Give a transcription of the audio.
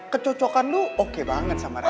kecocokan lu oke banget sama ratu